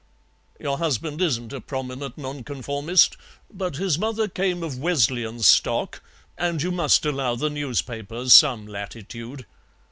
Your husband isn't a prominent Nonconformist, but his mother came of Wesleyan stock, and you must allow the newspapers some latitude."